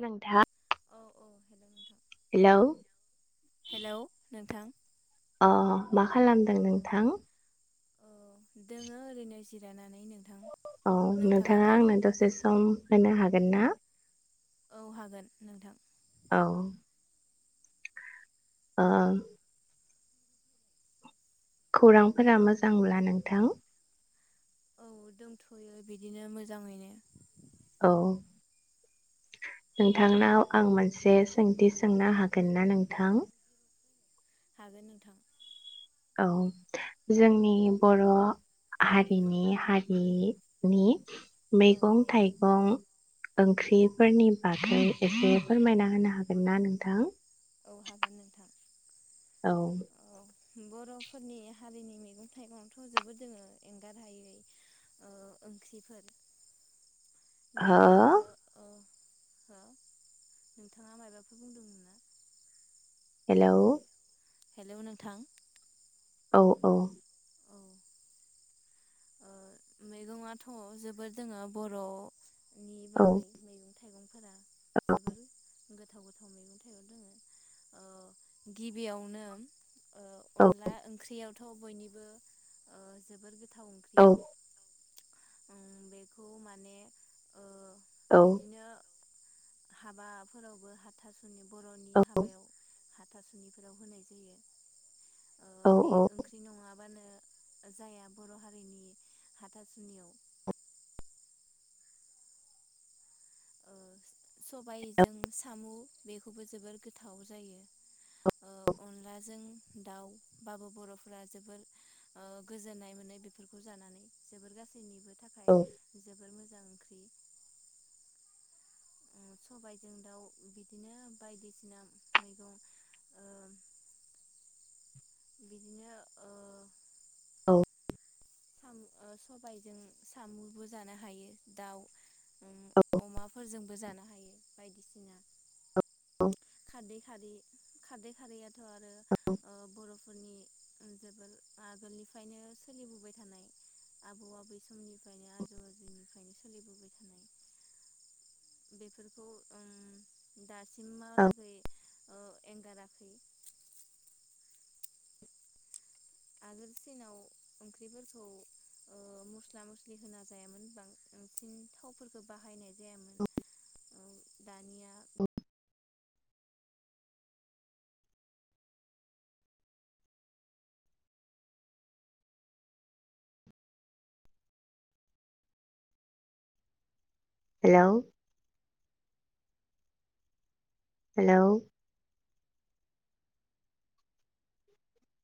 नोंथा औ हेलौ नोंथां हेलौ नोंथां अ मा खालामदों औ नोंथां दोङो ओरैनो जिरायनानै नों औ नोंथाङा आंनो दसे सम होनो हाग गोनना? औ हागोन नोंथां। औ ओह खौरांफोरा मोजांब्ला नोंथां औ दोंथ'यो बिदिनो मोजाङैनो औ नोंथांनाव आं मोनसे सोंथि सोंनो हागोन ना नोंथां? हागोन नोंथां औ जोंनि बर' हारिनि हारि नि औ मैगं-थाइगं ओंख्रिफोरनि बागै एसे फोरमायना होनो हागोन ना नोंथां? औ हागोन नोंथां। औ औ बर'फोरनि हारिनि मैगं थाइगंआथ' जोबोद जोङो एंगारहायै ओ ओंख्रिफोर हो गिबियावनो ओ हो नोंथाङा मायबाफोर बुंदोंमोन ना? हेलौ हेलौ नोंथां औ औ औ ओ मैगंआथ' जोबोर दोङो बर' नि औ बागै मैगं थाइगंफोरा जोबोर गो [inaudible] ओ गिबियावनो ओ औ अनला ओंख्रिया थ' बयनिबो ओ जोबोर गोथाव ख्रि औ उम बेखौ माने ओ औ बिदिनो हाबाफोरावबो हाथासुनि बर' हाथासुनिफोराव होनाय जायो। ओ बे औ ओंख्रि नङा बानो जाया बर' हा सुनिनि हाथासुनियाव ओ सबाइजों सामु बेखौबो जोबोर गोथाव जायो ओ अनलाजों दाउबाबो बर'फोरा जोबोर ओ गोजोननाय मोनो बेफोरखौ जानानै जोबोर गासैनिबो औ थाखाय जोबोर मो जां ओंख्रि उम सबायजों दाउ बिदिनो बायदिसिना मैगं ओ बिदिनो ओ औ सामु ओ सबायजों सामुबो जानो हायो दाउ उम अमाफोरजोंबो जानो हायो बायदिसिना औ बे खारि खारदै खारियाथ' आरो बर'फोरनि जोबोर आगोलनिफ्रायनो सोलिबोबाय थानाय आबौ आबै समनिफ्रायनो आजौ आजौनिफ्रायनो सोलिबोबाय थानाय बेफोरखौ उम औ दासिमहालागै ओ एंगाराखै आगोलसिनाव ओंख्रिफोरखौ ओ मस्ला मस्लि होना जायामोन बांसिन थावफोरखौ बाहायनाय जायामोन उम दानिया हेलौ हेलौ